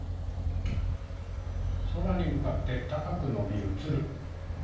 空に向かって高く伸びるつる。